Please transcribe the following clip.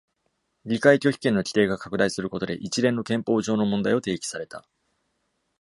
議会拒否権の規定が拡大することで、一連の憲法上の問題を提起された。